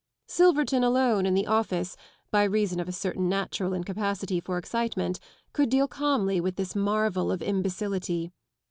SHverton alone in the office, by reason oi a certain natural incapacity for excitement, could deal calmly with this marvel of imbecility.